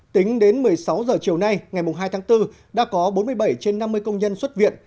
tính đến một mươi sáu h chiều nay ngày hai tháng bốn đã có bốn mươi bảy trên năm mươi công nhân xuất viện